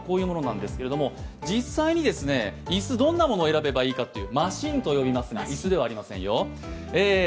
実際に椅子、どんなものを選べばいいのかっていうマシンと呼びますが、椅子ではありませんよ。